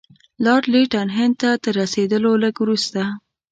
لارډ لیټن هند ته تر رسېدلو لږ وروسته.